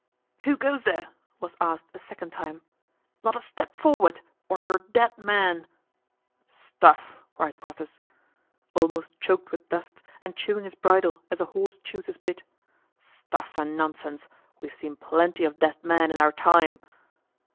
"Who goes there?" was asked a second time. "Not a step forward, or you're dead men." "Stuff!" cried Porthos, almost choked with dust and chewing his bridle as a horse chews his bit. "Stuff and nonsense; we have seen plenty of dead men in our time."